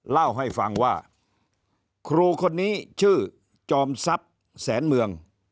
เล่าให้ฟังว่าครูคนนี้ชื่อจอมทรัพย์แสนเมือง